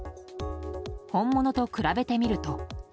本物と比べてみると。